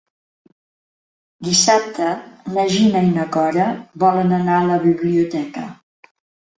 Dissabte na Gina i na Cora volen anar a la biblioteca.